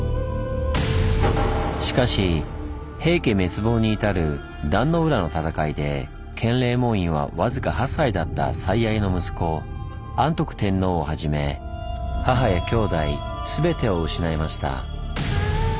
しかし平家滅亡に至る壇ノ浦の戦いで建礼門院は僅か８歳だった最愛の息子安徳天皇をはじめ母やきょうだい全てを失いました。